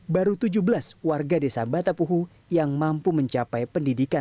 baru tujuh belas warga desa batapuhu yang mampu mencapai pendidikan